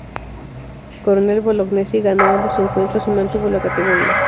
Coronel Bolognesi ganó ambos encuentros y mantuvo la categoría.